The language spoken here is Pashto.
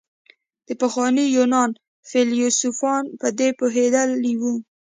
د پخواني يونان فيلسوفان په دې پوهېدلي وو.